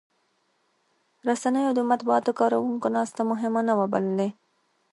رسنيو او د مطبوعاتو کارکوونکو ناسته مهمه نه وه بللې.